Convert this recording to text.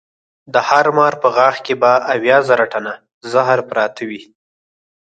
د هر مار په غاښ کې به اویا زره ټنه زهر پراته وي.